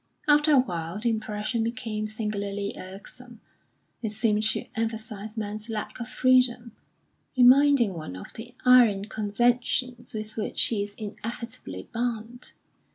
After a while the impression became singularly irksome; it seemed to emphasise man's lack of freedom, reminding one of the iron conventions with which he is inevitably bound.